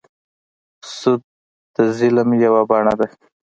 سود د ظلم یوه بڼه ده.